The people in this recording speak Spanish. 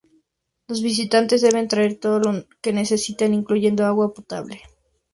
Los visitantes deben traer todo lo que necesiten, incluyendo agua potable.